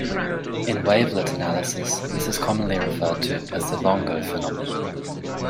In wavelet analysis, this is commonly referred to as the Longo phenomenon.